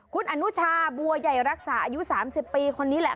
คุณอนุชาบัวใหญ่รักษาอายุ๓๐ปีคนนี้แหละ